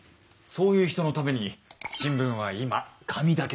そういう人のために新聞は今紙だけじゃないんです。